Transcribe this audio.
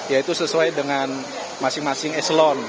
yaitu sesuai dengan masing masing eselon